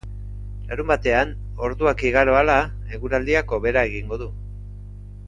Larunbatean, orduak igaro ahala, eguraldiak hobera egingo du.